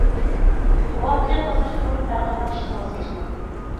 مۇۋەپپەقىيەت قازىنىشتىن بۇرۇن ھەرقانداق ئىشتىن ۋاز كەچمەڭ.